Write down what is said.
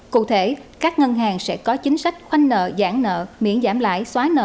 cụ thể các ngân hàng sẽ có chính sách khoanh nợ giãn nợ miễn giảm lãi xóa nợ